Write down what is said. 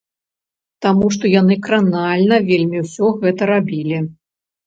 Таму што яны кранальна вельмі ўсё гэта рабілі.